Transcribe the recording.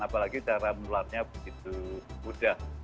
apalagi cara menularnya begitu mudah